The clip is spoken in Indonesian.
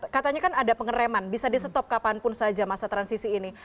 katanya kan ada pengereman bisa di stop kapanpun saja masa transisi ini